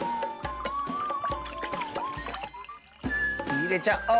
いれちゃおう！